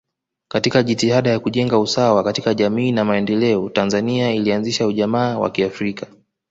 Katika jitihada ya kujenga usawa katika jamii na maendeleo Tanzania ilianzisha ujamaa wa kiafrika